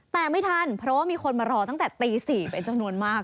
แต่ไม่ทันเพราะว่ามีคนมารอตั้งแต่ตี๔เป็นจำนวนมาก